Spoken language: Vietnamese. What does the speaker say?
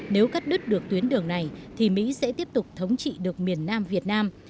nếu cắt đứt được tuyến đường này thì mỹ sẽ tiếp tục thống trị được miền nam việt nam